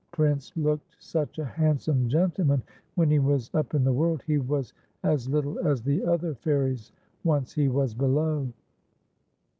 i<3 Piince looked such a handsome gentleman when he was up in the world, he was as little as the other fairies once he was below.